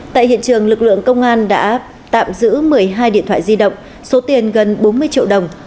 tại hiện trường lực lượng công an đã tạm giữ một mươi hai điện thoại di động số tiền gần bốn mươi triệu đồng